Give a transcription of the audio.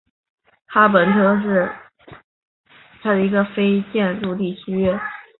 哈皮本德是位于美国阿肯色州波普县的一个非建制地区。